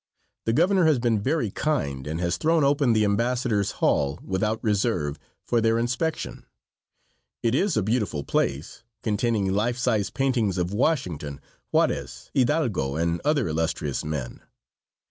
The governor has been very kind, and has thrown open the embassadors' hall, without reserve, for their inspection. It is a beautiful place, containing life size paintings of Washington, Juarez, Hidalgo and other illustrious men.